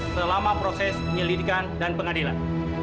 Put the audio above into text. selama proses penyelidikan dan pengadilan